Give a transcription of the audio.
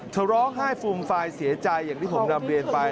ร้องไห้ฟูมฟายเสียใจอย่างที่ผมนำเรียนไป